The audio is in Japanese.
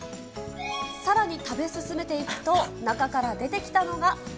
さらに食べ進めていくと、中から出てきたのが。